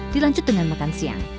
dilanjut dengan makan siang